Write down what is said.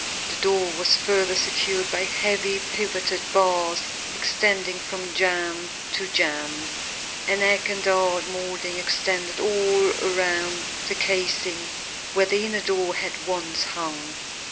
The door was further secured by heavy pivoted bars extending from jamb to jamb. An egg and dart molding extended all around the casing, where the inner door had once hung.